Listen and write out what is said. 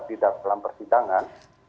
di dalam persidangan